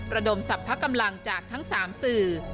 ระดมสรรพกำลังจากทั้ง๓สื่อ